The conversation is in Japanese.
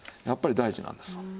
やっぱり大事なんですわ。